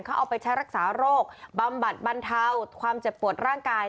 เขาเอาไปใช้รักษาโรคบำบัดบรรเทาความเจ็บปวดร่างกาย